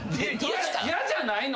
嫌じゃないの？